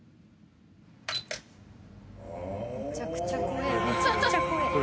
めちゃくちゃ怖え。